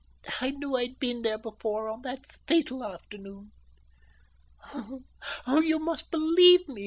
I knew I'd been there before on that fatal afternoon. Oh, you must believe me!